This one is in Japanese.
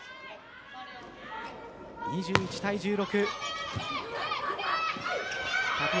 ２１対１６。